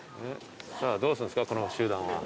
どうすんですかこの集団は。